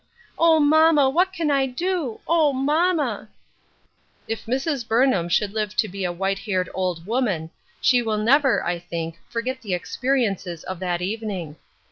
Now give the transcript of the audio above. O, mamma ! what can I do ? O, mamma !" If Mrs. Burnham should live to be a white haired old woman, she will never, I think, for get the experiences of that evening.